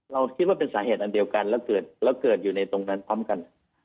เราคิดว่าเป็นสาเหตุอันเดียวกันแล้วเกิดอยู่ในตรงนั้นพร้อมกัน